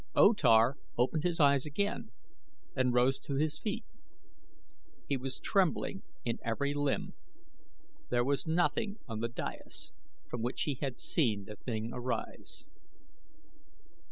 O Tar opened his eyes again and rose to his feet. He was trembling in every limb. There was nothing on the dais from which he had seen the thing arise.